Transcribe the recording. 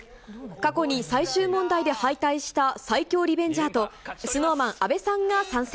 過去に最終問題で敗退した最強リベンジャーとＳｎｏｗＭａｎ・阿部さんが参戦。